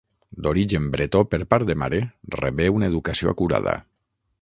D'origen bretó per part de mare, rebé una educació acurada.